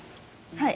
はい。